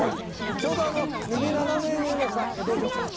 ちょうど右斜め上が江戸城。